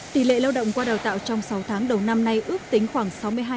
tỷ lệ lao động qua đào tạo trong sáu tháng đầu năm nay ước tính khoảng sáu mươi hai